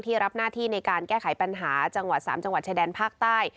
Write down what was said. รับหน้าที่ในการแก้ไขปัญหาจังหวัด๓จังหวัดชายแดนภาคใต้